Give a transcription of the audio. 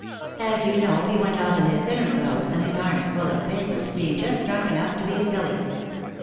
As you know, he went off in his dinner clothes, and his arms full of papers, being just drunk enough to be silly.